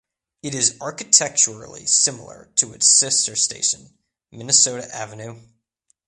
It is architecturally similar to its sister station, Minnesota Avenue.